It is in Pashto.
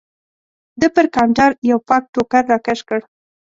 ده پر کاونټر یو پاک ټوکر راکش کړ.